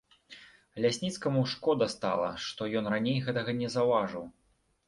Лясніцкаму шкода стала, што ён раней гэтага не заўважыў.